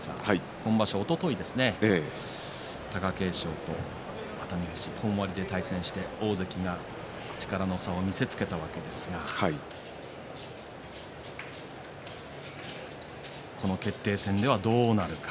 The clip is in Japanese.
今場所、おととい貴景勝と熱海富士本割で対戦して大関が力の差を見せつけたわけですがこの決定戦ではどうなるか。